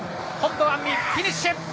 本堂杏実フィニッシュ。